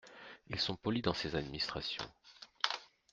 Ils sont polis dans ces administrations !